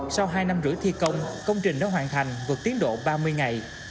sau hai năm rưỡi thi công công trình đã hoàn thành vượt tiến độ ba mươi ngày